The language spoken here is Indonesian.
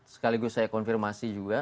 sekaligus saya konfirmasi juga